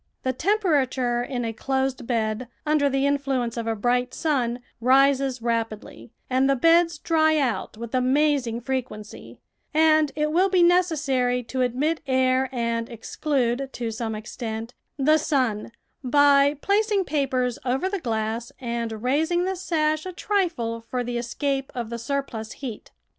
The temperature in a closed bed, under the influence of a bright sun, rises rapidly and the beds dry out with amazing frequency, and it will be necessary to admit air and exclude, to some extent, the sun by placing papers over the glass and raising the sash a trifle for the escape of the surplus heat.